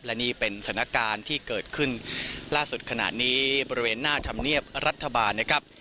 และนี่เป็นสถานการณ์ที่เกิดขึ้นล่าสุดขณะนี้บริเวณหน้าธรรมเนียบรัฐบาลนะครับ